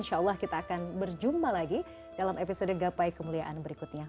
insya allah kita akan berjumpa lagi dalam episode gapai kemuliaan berikutnya